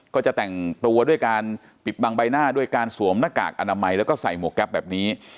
ก็จะแต่งตัวด้วยการปิดบังใบหน้าด้วยการสวมหน้ากากอนามัยแล้วก็ใส่หมวกแก๊ปแบบนี้